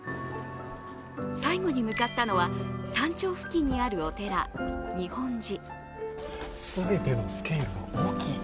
最後に向かったのは、山頂付近にあるお寺、日本寺。